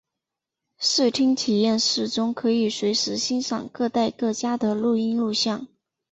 视听体验室中可以随时欣赏各代名家的录音录像。